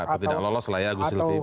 atau tidak lolos lah ya agus silvi